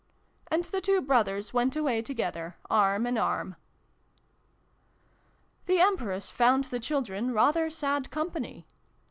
And the two Brothers went away together, arm in arm. The Empress found the children rather sad company.